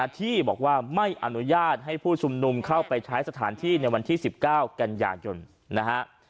ที่บอกว่าไม่อนุญาตให้ผู้ชุมนุมเข้าไปใช้สถานที่ในวันที่๑๙กันยายนนะฮะ